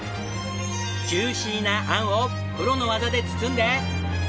ジューシーな餡をプロの技で包んで。